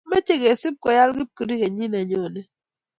Mache kcb koyal kipkirui kenyit nenyone